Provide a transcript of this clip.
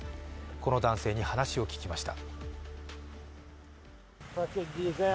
この男性に話を聞きました。